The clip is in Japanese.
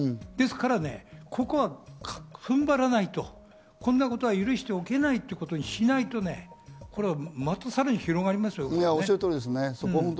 ですからここはふんばらないと、こんなことは許しておけないっていうことにしないとまたさらに広がりますよ。